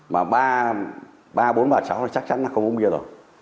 mà ba bốn và cháu thì chắc chắn là không uống bia rồi